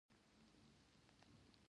احمد مې په خوله کې وواهه.